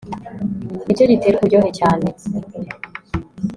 nicyo gitera uburyohe cyane